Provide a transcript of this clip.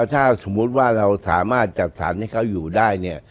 ถ้าสมมุติว่าเราสามารถจัดสรรให้เขาอยู่ได้เนี่ย